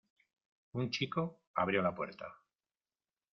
Un chico abrió la puerta.